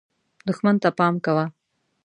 دښمن ته پام کوه .